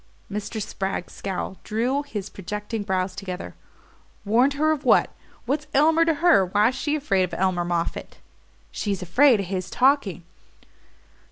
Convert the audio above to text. Mr. Spragg's scowl drew his projecting brows together. "Warned her of what? What's Elmer to her? Why's she afraid of Elmer Moffatt?" "She's afraid of his talking."